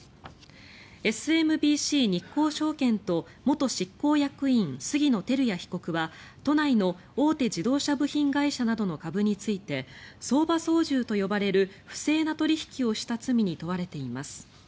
ＳＭＢＣ日興証券と元執行役員、杉野輝也被告は都内の大手自動車部品会社などの株について相場操縦と呼ばれる不正な取引をした罪に問われています。